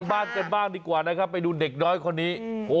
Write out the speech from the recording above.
บ้านกันบ้างดีกว่านะครับไปดูเด็กน้อยคนนี้